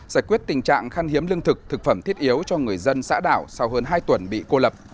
giải quyết tình trạng khăn hiếm lương thực thực phẩm thiết yếu cho người dân xã đảo sau hơn hai tuần bị cô lập